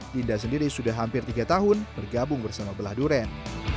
dinda sendiri sudah hampir tiga tahun bergabung bersama belah duren